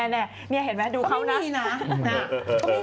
นี่เห็นมั้ยดูข้างเด็ก